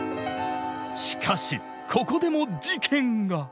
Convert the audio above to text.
しかしここでも事件が！